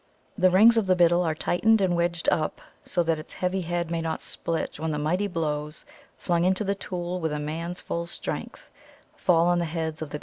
The rings of the bittle are tightened and wedged up, so that its heavy head may not split when the mighty blows, flung into the tool with a man's full strength, fall on the heads of the great iron wedges.